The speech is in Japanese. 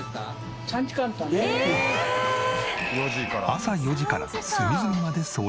朝４時から隅々まで掃除。